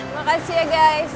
makasih ya guys